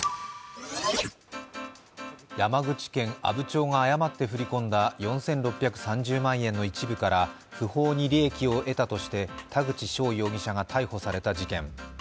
山口県阿武町が誤って振り込んだ４６３０万円の一部から不法に利益を得たとして田口翔容疑者が逮捕された事件。